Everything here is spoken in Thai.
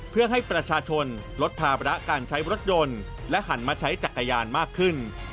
เพื่อให้ประชาชนลดภาระการใช้รถยนต์และหันมาใช้จักรยานมากขึ้น